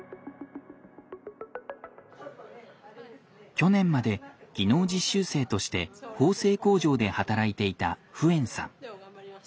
去年まで技能実習生として縫製工場で働いていたフエンさん。